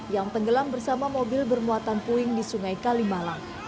yang tenggelam bersama mobil bermuatan puing di sungai kalimalang